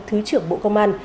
thứ trưởng bộ công an